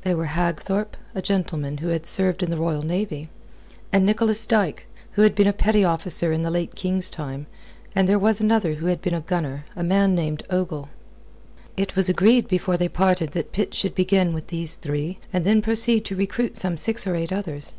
They were Hagthorpe, a gentleman who had served in the Royal Navy, and Nicholas Dyke, who had been a petty officer in the late king's time, and there was another who had been a gunner, a man named Ogle. It was agreed before they parted that Pitt should begin with these three and then proceed to recruit some six or eight others.